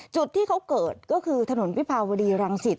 จุดที่เขาเกิดก็คือถนนวิภาวดีรังสิต